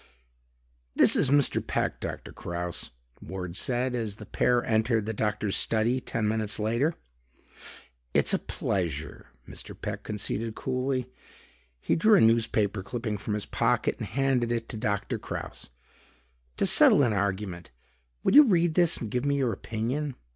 "This is Mr. Peck, Doctor Kraus," Ward said as the pair entered the doctor's study ten minutes later. "It's a pleasure," Mr. Peck conceded coolly. He drew a newspaper clipping from his pocket and handed it to Doctor Kraus. "To settle an argument, would you read this and give me your opinion?"